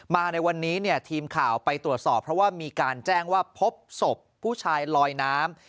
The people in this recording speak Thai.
มาในวันนี้เนี่ยทีมข่าวไปตรวจสอบเพราะว่ามีการแจ้งว่าพบศพผู้ชายลอยน้ำ